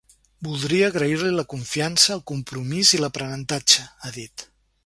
“Voldria agrair-li la confiança, el compromís i l’aprenentatge”, ha dit.